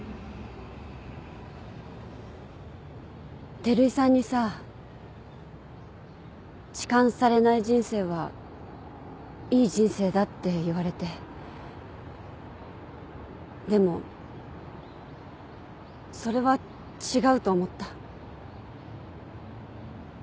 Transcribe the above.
照井さんにさ痴漢されない人生はいい人生だって言われてでもそれは違うと思った。